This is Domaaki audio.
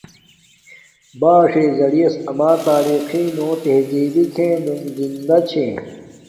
باݽ زیعس اما تاریخی نو تہزبی کھنوگ زندہ چھے